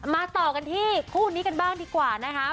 ต่อกันที่คู่นี้กันบ้างดีกว่านะคะ